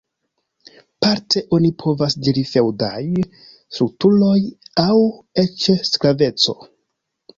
Parte oni povas diri feŭdaj strukturoj aŭ eĉ sklaveco.